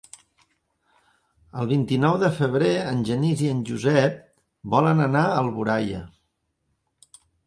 El vint-i-nou de febrer en Genís i en Josep volen anar a Alboraia.